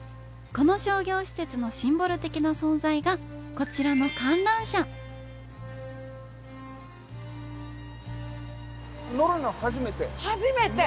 この商業施設のシンボル的な存在がこちらの観覧車初めて！